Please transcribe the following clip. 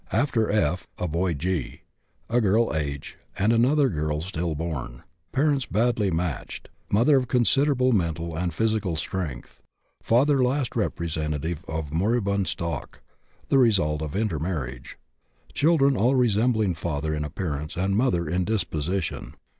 After F. a boy G., a girl H., and another girl stillborn. Parents badly matched; mother of considerable mental and physical strength; father last representative of moribund stock, the result of intermarriage. Children all resembling father in appearance and mother in disposition.